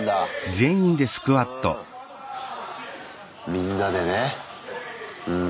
みんなでねうん。